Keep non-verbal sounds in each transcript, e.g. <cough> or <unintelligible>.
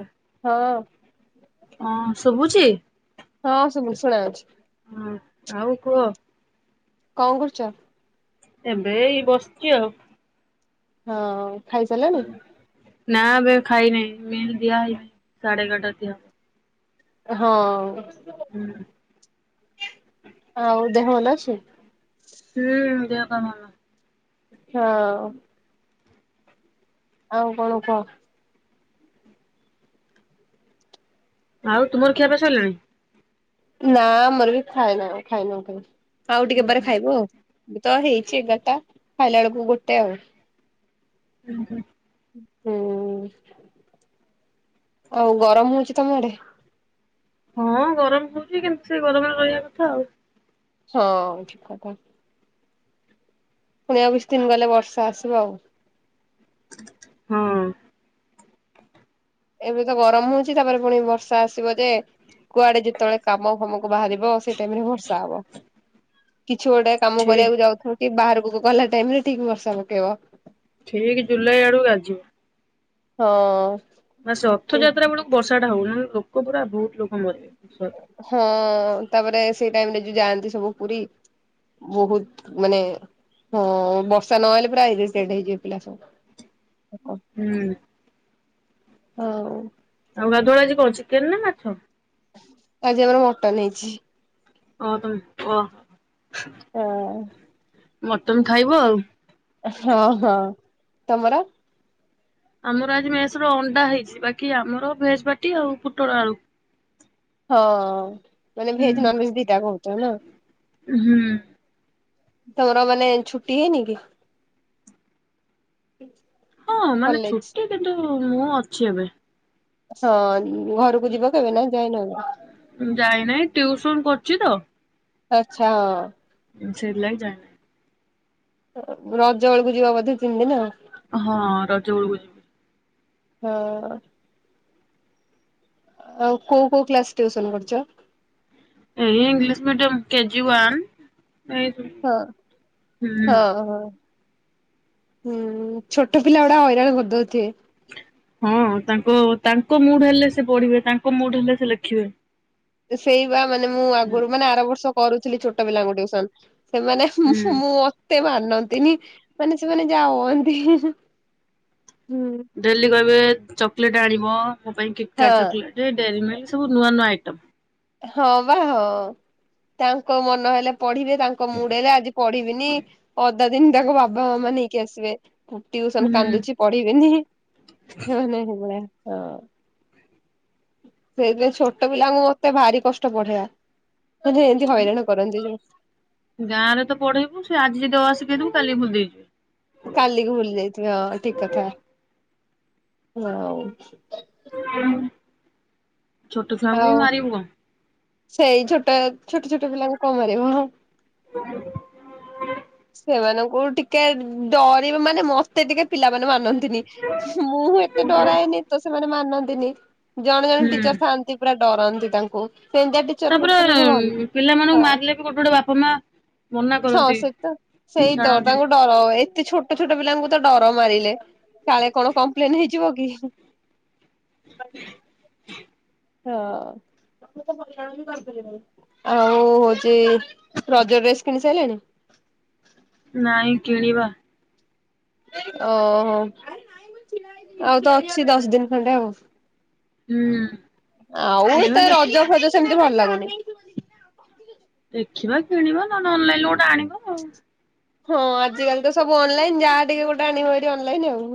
ହଁ। ହଁ। ହଁ ଶୁଭୁଚି? ହଁ ସବୁ ଶୁଣାଯାଉଚି। ହୁଁ ଆଉ କୁହ? କଣ କରୁଚ? ଏବେ ଏଇ ବସିଛି। ହଁ ଖାଇ ସାରିଲାଣି? ନା ଏବେ ଖାଇନହିଁ, ମେ ଦିଆ ହେଇନି, ସାଢେ ଏଗାରଟା ଦିଆ ହଁ। ହୁଁ। ଆଉ ଦେହ ଭଲ ଅଛି? ହୁଁ ଦେହ <unintelligible> ହୋଉ ଆଉ କଣ କୁହ? ଆଉ ତୁମର ଖିଆ ପିଆ ସାରିଲାଣି? ନାଁ ଆମର ବି ଖଏନାଉ ଖାଇନୁ କେହି ଆଉ ଟିକେ ପରେ ଖାଇବୁ ଆଉ ତ ହେଇଚି ଏଗଟା ଖାଇଲା ବେଳକୁ ଗୋଟେ ଆଉ ହୁଁ ହୁଁ। ହୁଁ ଆଉ ଗରମ ହଉଛି ତମ ଆଡେ? ହଁ ଗରମ ହଉଛି କିନ୍ତୁ ସେ ଗରମରେ ରହିବା କଥା ଆଉ। ହଁ। ଫୁଣି ଆଉ କିଛି ଦିନ୍‌ ଗଲେ ବର୍ଷା ଆସିବ ଆଉ। ହଁ। ଏବେ ତ ଗରମ ହଉଚି ତାପରେ ପୁଣି ବର୍ଷା ଆସିବ ଯେ କୁଆଡେ ଯେତବେଳେ କାମ ଫାମକୁ ବାହାରିବ ସେଇ ଟାଇମ ରେ ଭର୍ଷା ହବ କିଛି ଗୋଟେ କାମ ଠିକ କରିବାକୁ ଯାଉଥୁବୁ କି ବାହାରକୁ ଗଗଲା ଟାଇମ ରେ ଠିକ୍ ବର୍ଷା ପକେଇବ। ଠିକ ଜୁଲାଇ ଆଡ଼ୁକୁ ଗାଜିିବ। ହଁ। ନା ସେ ଅଥଯାତ୍ରା ବଳକୁ ବର୍ଷା ଟା ହବ ମୁଁ ଲୋକ ପୁରା ବହୁତ ଲୋକ ମରିବେ <unintelligible> ହଁ ତାପରେ ସେଇ ଟାଇମ ରେ ଯୋଉ ଯାଆନ୍ତି ସବୁ ପୁରୀ। ବହୁତ ମାନେ ହଁ ବର୍ଷା ନହଲେ ପୁରା ଏରିଟେଡ ହେଇଯିବ ପିଲା ସବୁ। ଓହୋ। ହୁଁ। ଆଉ ଆଉ ଗାଧୁଆ ବେଳେ ଆଜି କଣ ଚିକେନେ ନା ମାଛ? ଆଜି ଆମର ମଟନ ହେଇଛି। ଓ ତମ ପୁଅ ହଁ। ମଟନ ଖାଇବୁ ଆଉ। ହଁ ହଁ ତମର? ଆମର ଆଜି ମେସ ର ଅଣ୍ଡା ହେଇଛି ବାକି ଆମର ଭେଜ ବାଟି ଆଉ ପୋଟଳ ଆଳୁ। ହଁ ମାନେ ହୁଁ। ଭେଜ ନନ ଭେଜ ଦିଟା କହୁଛ ନା? ହୁଁ। ତମର ମାନେ ଛୁଟି ହେଇନି କି? <inaudible> ହଁ ମାନେ କଲେଜ? ଛୁଟି କିନ୍ତୁ ମୁଁ ଅଛି ଏବେ। ହଁ ଘରକୁ ଯିବ କେବେ ନା ଯାଇନ ଏଇନା। ଯାଇନାହିଁ ଟିଉସନ କରୁଛି ତ। ଆଛା ହଁ। ହଁ ସେଇଥି ଲାଗି ଯାଇନି। ରଜ ବେଳକୁ ଯିବା ବୋଧେ ତିନି ଦିନ ଆଉ। ହଁ ରଜ ଉଳକୁ ଯିବ। ହଁ। ଆଉ କୋଉ କୋଉ କ୍ଲାସ ଟ୍ୟୁସନ କରୁଛ? ଏଇ ଇଂଲିଶ ମିଡିୟମ କେଜି ୱାନ୍ ଏଇ ହୁଁ। ହଁ ହଁ ହଁ। ହୁଁ ଛୋଟ ପିଲା ଗୁଡ଼ା ହଇରାଣ କରିଦଉଥିବେ। ହଁ ତାଙ୍କ ତାଙ୍କ ମୁଡ୍ ହେଲେ ସେ ପଢିବେ ତାଙ୍କ ମୁଡ୍ ହେଲେ ସେ ଲେଖିବେ। ସେଇ ବା ମାନେ ମୁଁ ଆଗରୁ ମାନେ ଆର ବର୍ଷ କରୁଥିଲି ଛୋଟ ପିଲାଙ୍କୁ ଟ୍ୟୁସନ ସେମାନେ ହୁଁ। ମୁଁ ମତେ ମାନନ୍ତିନି ମାନେ ସେମାନେ ଯାହା ହୁଅନ୍ତି। ଡେଲି କହିବେ ଚକୋଲେଟ ଆଣିବ ମୋ ପାଇଁ କିଟ୍ କାଟ୍ ହଁ ଚକଲେଟ। ଯେ ଡେରିମିଲ୍କ ସବୁ ନୂଆ ନୂଆ ଆଇଟମ୍। ହଁ ବା ହଁ ତାଙ୍କ ମନ ହେଲେ ପଢିବେ ତାଙ୍କ ମୁଡ ହେଲେ ଆଜି ପଢି ଅଧା ଦିନ ତାକୁ ବାବା ମାମା ନେଇକି ଆସିବେ ଟୁସନ ହୁଁ। କାନ୍ଦୁଛି ପଢ଼ିବେନି ସେମାନେ ସେଇଭଳିଆ ହଁ। ସେଇଥିପାଇଁ ଛୋଟ ପିଲାଙ୍କୁ ମତେ ଭାରି କଷ୍ଟ ପଢେଇବା ହଁ ଯେ ଏମତି ହଇରାଣ କରନ୍ତି ଯୋଉ। ଗାଁରେ ତ ପଢେଇବୁ ସେ ଆଜି ଯଦି ଅ ଆ ସିକେଇଥିବୁ ସେ କାଲି କି ଭୂଳିଦେଇଥିବ। କାଲିକୁ ଭୁଲି ଯାଇଥିବେ ହଁ ଠିକ କଥା ହଁ। ଛୋଟ ଛୁଆଙ୍କୁ ବି ଆଉ ମାରିବୁ କଣ? ସେଇ ଛୋଟ ଛୋଟ ଛୋଟ ପିଲାଙ୍କୁ କଣ ମାରିବ? <inaudible> ସେମାନଙ୍କୁ ଟିକେ ଡରିବୁ ମାନେ ମତେ ଟିକେ ପିଲା ମାନେ ମାନନ୍ତି। ମୁଁ ଏତେ ଡରାଏନି ତ ସେମାନେ ମାନନ୍ତିନି ଜଣେ ଜଣେ ହୁଁ। ଟିଚର ଥାଆନ୍ତି ପୁରା ଡରନ୍ତି ତାଙ୍କୁ। ସେଇନ୍ତିଆ ଟିଚର ତାପରେ ଗୋଟେ ଥରରେ ଭଲ ପିଲାମାନଙ୍କୁ ହଁ ମାରିଲେ ବି ଗୋଟେ ଗୋଟେ ବାପା ମା ମନା ହଁ କରନ୍ତି। ସେ ସେଇ ତ ଛାଡନ୍ତିନି ତାଙ୍କୁ ଡର ଏତେ ଛୋଟ ଛୋଟ ପିଲାଙ୍କୁ ତ ଡର ମାରିଲେ। କାଳେ କଣ କମ୍ପ୍ଲେନ ହେଇଯିବ କି? ହଁ। ଆଉ ହଉଛି ରଜ ଡ୍ରେସ କିଣି ସାରିଲେଣି? ନାଇଁ କିଣିବା। ଓହୋ ଆଉ ତ ଅଛି ଦଶ ଦିନ ଖଣ୍ଡେ ଆଉ। ହୁଁ। ଆଉ କିଣିବା ତା ରଜ ଦେଖିକି। ଫଜ ସେମିତି ଭଲ ଲାଗୁନି। ଦେଖିବା କିଣିବା, ନହେଲେ ଅନଲାଇନ ରୁ ଗୋଟେ ଆଣିବା ଆଉ। ହଁ ଆଜିକାଲି ତ ସବୁ ଅନଲାଇନ, ଯାହା ଟିକେ ଗୋଟେ ଆଣିବ ହାରୀ ଅନଲାଇନ ଆଉ।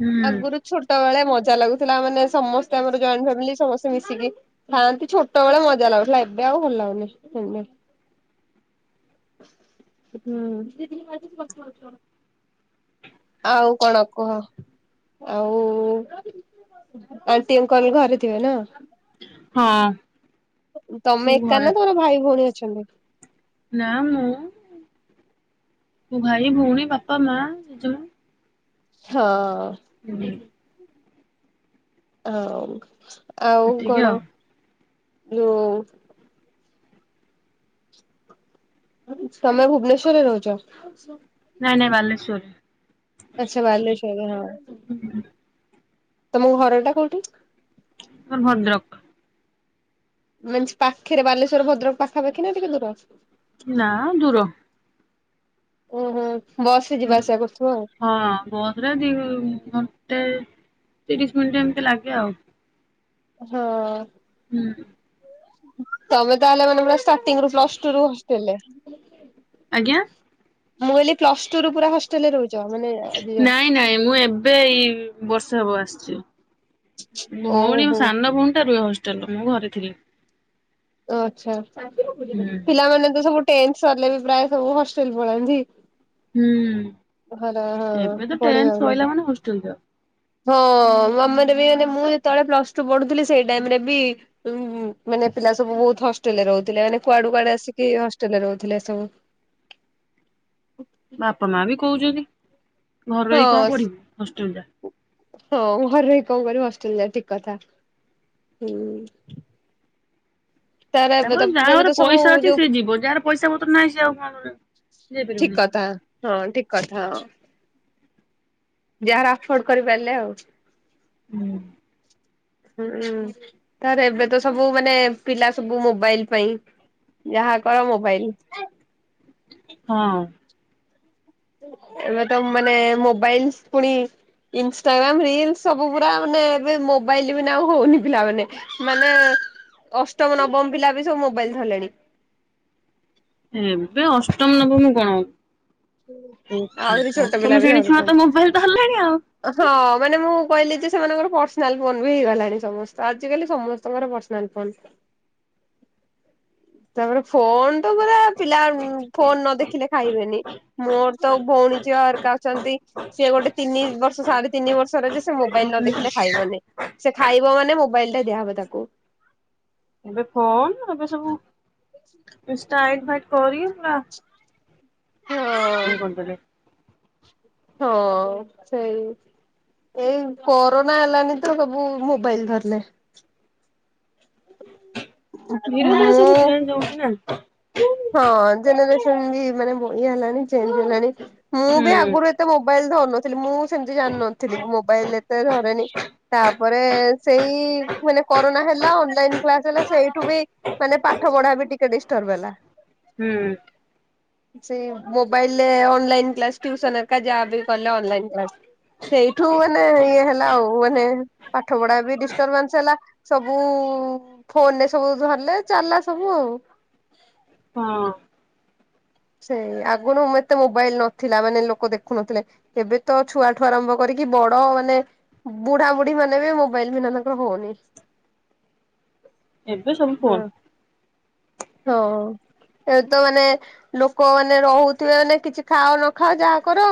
ହୁଁ। ଆଗୁରୁ ଛୋଟ ବେଳେ ମଜା ଲାଗୁଥିଲା। ମାନେ ସମସ୍ତେ ଆମର ଜଏଣ୍ଟ ଫ୍ୟାମିଲ ସମସ୍ ସ୍ତେ ମିଶିକି ଥାଆନ୍ତି, ଛୋଟ ବେଳେ ମଜା ଲାଗୁଥିଲା ଏବେ ଆଉ ଭଲ ଲାଗୁନି <unintelligible> <inaudible> <unintelligible> କଣ କୁହ ଆଉ ଆଣ୍ଟି ଅଙ୍କଲ୍ ଘରେ ଥିବେ ନା। ହଁ। ତମେ ସବୁ ଏକା ଘରେ ନା ତମର ଭାଇ ଭଉଣୀ ଅଛନ୍ତି? ନା ମୁଁ ମୋ ଭାଇ ଭଉଣୀ ବାପା ମା ଜେଜେମା। ହଁ। ହୁଁ। ଆଉ ଆଉ ଏତିକି କଣ ଆଉ ଯୋଉ ତମେ ଭୁବନେଶରରେ ରହୁଚ? ନାଇଁ ନାଇଁ ବାଲେଶ୍ଵର। ଆଛା ବାଲେଶ୍ଵର ହଁ ତମ ଘର ଟା କୋଉଠି। ଆମର ଭଦ୍ରକ। ମାନେ ସେ ପାଖେରେ ବାଲେଶ୍ଵର ଭଦ୍ରକ ପାଖା ପାଖୀ ନା ଟିକେ ଦୂର। ନା ଦୂର। ଉଁ ହୁଁ। ଉଁ ହଁ <unintelligible> <unintelligible> ଘଣ୍ଟେ ତିରିଶ ମିନିଟ୍ ଏମତି ଲାଗେ ଆଉ। ହଁ। ହୁଁ। ତମେ ତାହଲେ ମାନେ ପୁରା ଷ୍ଟାଟିଙ୍ଗରୁ ପ୍ଲସ ଟୁ ରୁ ହଷ୍ଟେଲେ। ଆଜ୍ଞା? ମୁଁ କହିଲି ପ୍ଲସ୍ ଟୁୁ ରୁ ପୂରା ହଷ୍ଟେଲରେ ରହୁ ନାଇଁ ନାଇଁ ମୁଁ ଏବ୍ ବେ ଏଇ ବର୍ଷେ ହବ ଆସିଛି। ଭଉଣୀ ମୋ ଓହୋ ସାନ ଭଉଣୀ ଟା ରୁହେ ହଷ୍ ଲ ରେ ମୁଁ ଘରେ ଥିଲି। ଓ ଆଚ୍ଛା ହୁଁ। ପିଲାମାନେ ତ ସବୁ ଟେନ୍ଥ ସରିଲେ ବି ପ୍ରାୟ ସବୁ ହଷ୍ଟେଲ ପଳାନ୍ତି। ହୁଁ ହଁ ହଁ ଏବେ ତ ଟେନ୍ଥ ସଇଲା ମାନେ ହଷ୍ଟେଲ ଯାଅ। ମୋ ମମିର <unintelligible> ମୁଁ ଯେତେବେଳେ ପ୍ଲସ ଟୁ ପଢୁଥିଲି ସେଇ ଟାଇମ ରେ ବି ଉଁ ମୁଁ ମାନେ ପିଲା ସବୁ ବୋହୁତ ହଷ୍ଟେଲ ରେ ରହୁଥିଲେ। ମାନେ କୁଆଡ଼ୁ କୁଆଡ଼େ ଆସିକି ହଷ୍ଟେଲ ରେ ରହୁଥିଲେ ସବୁ। ବାପ ମା ବି କହୁଛନ୍ତି, ଘର ରହି କଣ ହଁ ପଢ଼ିବୁ ହଷ୍ଟେଲ ଯା। ହଁ ଘରେ ରହି କଣ କରିବୁ ହଷ୍ଟେଲ ଯା ଠିକ୍ କଥା ହୁଁ। ତାର ଏବେ ତାପରେ ତ ଯା ଏବେ ଘରେ ତ ସବୁ ପଇସା ଅଛି ଯୋଉ ସିଏ ଯିବ। ଯାହାର ପଇସା ପତ୍ର ନାହିଁ ସିଏ ଆଉ କଣ ଯାଇପାରିବ ଠିକ କି? କଥା ହଁ ଠିକ୍ କଥା ହଁ। ଯାହାର ଆଫୋର୍ଡ କରିପାରିଲେ ଆଉ। ହୁଁ। ହୁଁ। ତାପରେ ଏବେ ତ ସବୁ ମାନେ ପିଲା ସବୁ ମୋବାଇଲ ପାଇଁ ଯାହା କର ମୋବାଇଲ। ହଁ। ଏବେ ତ ମାନେ ମୋବାଇଲସ୍ ପୁଣି ଇନଷ୍ଟାଗ୍ରାମ ରିଲସ୍ ସବୁ ପୁରା ମାନେ ଏବେ ମୋବାଇଲ ବିନା ଆଉ ହଉନି ପିଲାମାନେ ମାନେ ଅଷ୍ଟମ ନବମ ପିଲା ବି ସବୁ ମୋବାଇଲ ଧରଲେଣି। ଏବେ ଅଷ୍ଟମ ନବମ କଣ ଉଁ ହୁଁ ଆହୁରି ଛୋଟ ପିଲା ପ୍ରଥମ ବି ଶ୍ରେଣି ଛୁଆ ତ ଧରୁଛନ୍ତି। ମୋବାଇଲ ଧରିଲେଣି ଆଉ। ହଁ ମାନେ ମୁଁ କହିଲି ଯେ ସେମାନଙ୍କର ପର୍ସନାଲ ଫୋନ ବି ହେଇଗଲାଣି ସମସ୍ତ ଆଜିକାଲି ସମସ୍ତଙ୍କର ପର୍ସ <unintelligible> ତାପରେ ଫୋନ ତ ପୁରା ପିଲା ଉଁମ୍ ଫୋନ ନ ଦେଖିଲେ ଖାଇବେନି। ମୋର ତ ଭଉଣୀ ଝିଅ ହେରିକା ଆସିଚନ୍ତି ସିଏ ଗୋଟେ ତିନି ବର୍ଷ ସାଡ଼େ ତିନି ବର୍ଷର ଯେ ସେ ମୋବାଇଲ ନ ଦେଖିଲେ ଖାଇବନି ସେ ଖାଇବ ମାନେ ମୋବାଇଲ ଟା ଦିଆହେବ ତାକୁ। ଏବେ ଫୋନ ଏବେ ସବୁ ଇଷ୍ଟା ଆଇଡ୍ ଫାଇଡ୍ କରି ପୁରା ହଁ। କିଏ କଣ କଲେ? ହଁ ସେଇ। ଏଇ କରୋନା ହେଲାନି ତ ସବୁ ମୋବାଇଲ ଧରିଲେ। ଧୀରେ ଧୀରେ ମୁଁ ସବୁ ଚେଞ୍ଜ ହଉଚି ନା। ହଁ ଜେନେରେସନ ବି ମାନେ ବଢ଼ିଆ ହେଲାଣି ଚେଞ୍ଜ ହେଲାଣି ମୁଁ ହୁଁ ବି ଆଗରୁ ଏ ତେ ମୋବାଇଲ ଧରୁନଥିଲି ମୁଁ ସେମିତି ଜାଣିନଥିଲି ମୋବାଇଲ ଏତେ ଧରେନି। ତାପରେ ସେଇ ମାନେ କରୋନା ହେଲା ଅନଲାଇନ କ୍ଲାସ ହେଲା ସେଇଠୁ ବି ମାନେ ପାଠ ପଢ଼ା ବି ଟିକେ ଡିଷ୍ଟର୍ବ ହେଲା। ହୁଁ। ସେ ମୋବାଇଲରେ ଅନଲାଇନ୍ କ୍ଲାସ ଟ୍ୟୁସନ ହେରିକା ଯାହାବି କଲେ ଅନଲାଇନ୍ କ୍ଲାସ। ସେଇଠୁ ମାନେ ଇଏ ହେଲା ଆଉ ମାନେ ପାଠ ପଢ଼ା ବି ଡିଷ୍ଟରବାନ୍ସ ହେଲା। ସବୁ ଫୋନରେ ସବୁ ଧରିଲେ ଚାଲିଲା ସବୁ ଆଉ। ହଁ। ସେଇ ଆଗରୁ ମ୍ ଏତେ ମୋବାଇଲ ନଥିଲା ମାନେ ଲୋକ ଦେଖୁନଥିଲେ। ଏବେ ତ ଛୁଆଠୁ ଆରମ୍ଭ କରିକି ବଡ଼ ମାନେ ବୁଢ଼ା ବୁଢ଼ୀ ମାନେ ବି ମୋବାଇଲ ବିନା ତାଙ୍କର ହଉନି। ଏବେ ସବୁ ହଁ। ଫୋନ୍। ହଁ ଏ ତ ମାନେ ଲୋକ ମାନେ ରହୁଥିବେ ମାନେ କିଛି ଖାଅ ନ ଖାଅ ଯାହା କରୁ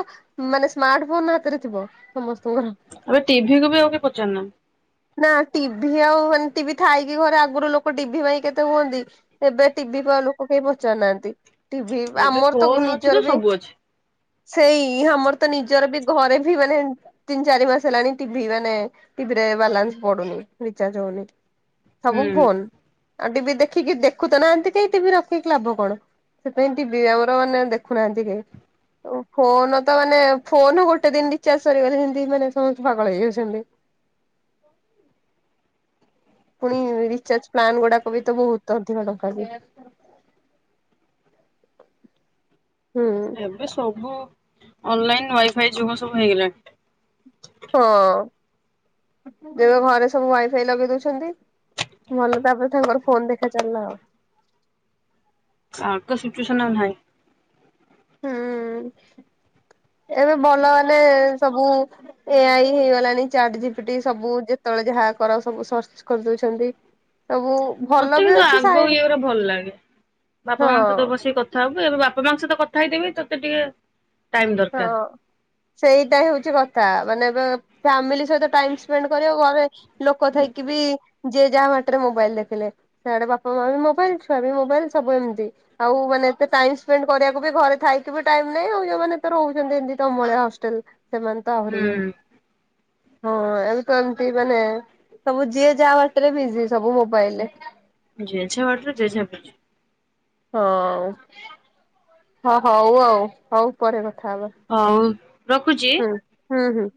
ମାନେ ସ୍ମାର୍ଟ ଫୋନ ହାତରେ ଥିବ ସମସ୍ତଙ୍କର। ଏବେ ଟିଭି କୁ ବି ଆଉ କେଇ ପଚାରୁ ନା ନା ଟିଭି ଆଉ ମାନେ ଟିଭି ଥାଇକି ଘରେ ଆଗୁରୁ ଲୋକ ଟିଭି ପାଇଁ କେତେ ହୁଅନ୍ତି ଏବେ ଟିଭି ପା ଲୋକ କେହି ପଚାରୁନାହାନ୍ତି ଟିଭି ଏବେ ଆମର ତ ଫୋନ ଅଛି ନିଜର ବି ସବୁ ଅଛି। ସେଇ ଆମର ତ ନିଜର ବି ଘରେ ବି ମାନେ ତିନି ଚାରି ମାସ ହେଲାଣି ଟିଭି ମାନେ ଟିଭିରେ ବାଲାନ୍ସ ପଡୁନି ରିଚାଜ୍ ହଉନି। ହୁଁ ସବୁ ଫୋନ ଆଉ ଟିଭି ଦେଖିକି ଦେ ଖୁତ ନାହାନ୍ତି କେହି ଟିଭି ରଖିକି ଲାଭ କଣ ସେଥିପାଇଁ ଟିଭି ଆମର ମାନେ ଦେଖୁନାହାନ୍ତି କେଇ। ଆଉ ଫୋନ ତ ମାନେ ଫୋନ ଗୋଟେ ଦିନ ରିଚାର୍ଜ ସରିଗଲେ ଯେନ୍ତି ମାନେ ସମସ୍ତେ ପାଗଳ ହେଇଯାଉଛନ୍ତି। ପୁଣି ରିଚାର୍ଜ ପ୍ଲାନ୍ ଗୁଡାକ ବି ତ ବହୁତ ଅଧିକ ଟଙ୍କା ବି। ହୁଁ ଏବେ ସବୁ ଅନଲାଇନ ୱାଇ ଫାଇ ଯୁଗ ସବୁ ହେଇଗଲାଣି। ହଁ ଏବେ ଘରେ ସବୁ ୱାଇଫାଇ ଲଗେଇ ଦଉଛନ୍ତି। ଭଲ ତାପରେ ତାଙ୍କର ଫୋନ ଦେଖା ଚାଲିଲା ଆଉ। ଆଗ ସିଚୁଏସନ ଆଉ ନାହିଁ। ହୁଁ ଏବେ ଭଲ ହେଲେ ସବୁ ଏ ଆଇ ହେଇଗଲାଣି ଚାଟ ଜିପିଟି ସବୁ ଯେତବେଳେ ଯାହା କର ସବୁ ସର୍ଚ୍ଚ କରିଦଉଛନ୍ତି। ସବୁ ଭଲ ମତେ ବି କିନ୍ତୁ ଅଛି ଆଗ ସାଇଡ ଇଏ ଗୁରା ଭଲ ଲାଗେ ହଁ ବାପା ମାଙ୍କ ସହିତ ବସିକ ଥା ହବୁ ଏବେ ବାପା ମାଙ୍କ ସହିତ କଥାହେଇତେବି ତତେ ଟିକେ ଟାଇମ ଦରକାର ହଁ। ସେଇଟା ହିଁ ହଉଚି କଥା ମାନେ ଏବେ ଫ୍ୟାମିଲି ସହିତ ଟାଇମ ସିପେଣ୍ଡ କରବାକୁ ଘରେ ଲୋକ ଥାଇକି ବି ଯିଏ ଯାହା ବାଟରେ ମୋବାଇଲ ଦେଖିଲେ। ସିଆଡେ ବାପା ମା ବି ମୋବାଇଲ ଛୁଆ ବି ମୋବାଇଲ ସବୁ ଏମିତି। ଆଉ ମାନେ ଏତେ ଟାଇମ ସ୍ପେଣ୍ଡ କରିବାକୁ ବି ଘରେ ଥାଇକି ବି ଟାଇମ ନାଇଁ ଆଉ ଯୋଉମାନେ ତ ରହୁଚନ୍ତି ଯେମିତି ତମଭଳିଆ ହଷ୍ଟେଲ ସେମାନେ ତ ଆହୁରି ଇଏ। ହୁଁ ହଁ ଏବେ ତ ଏମିତି ମାନେ ସବୁ ଯିଏ ଯାହା ହାତରେ ବିଜି ସବୁ ମୋବାଇଲରେ। ଯେଝା ବାଟରେ ଯେଝେ ବିଜି। ହଁ। ହଁ ହଉ ଆଉ ହଉ ପରେ କଥା ହବା। ହଉ ରଖୁଚି। ହୁଁ ହୁଁ ହୁଁ।